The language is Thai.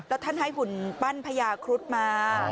แล้วท่านให้หุ่นปั้นพญาครุฑมา